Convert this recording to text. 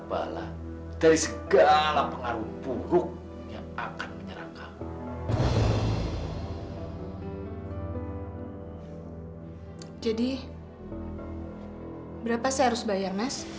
pak papa saya mohon papa iksil for sadar pasadar